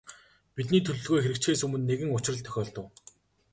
Бидний төлөвлөгөө хэрэгжихээс өмнө нэгэн учрал тохиолдов.